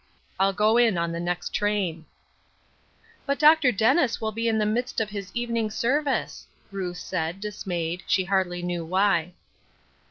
I'll go in on the next train." " But Dr. Dennis will be in the midst of his evening service," Ruth said, dismayed, she hardly knew why.